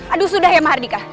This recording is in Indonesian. aduh sudah ya mardika